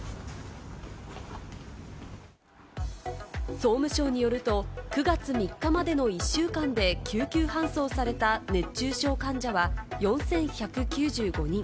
総務省によると、９月３日までの１週間で救急搬送された熱中症患者は４１９５人。